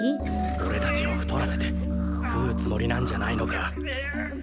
おれたちをふとらせてくうつもりなんじゃないのか？